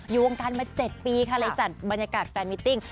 อยู่วงการมา๗ปีค่ะเลยจัดบรรยากาศแฟนมิติ้ง